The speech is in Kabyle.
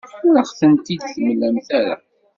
Ur aɣ-tent-id-temlamt ara.